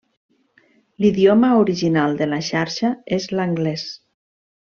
L'idioma original de la xarxa és l'anglès.